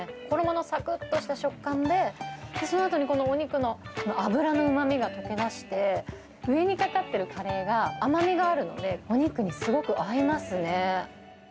衣のさくっとした食感で、そのあとにこのお肉の脂のうまみが溶け出して、上にかかっているカレーが、甘みがあるので、お肉にすごく合いますね。